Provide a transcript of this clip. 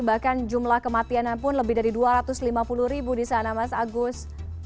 bahkan jumlah kematiannya pun lebih dari dua ratus lima puluh ribu di sana mas agus